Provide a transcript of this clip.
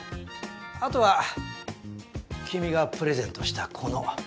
あとは君がプレゼントしたこの。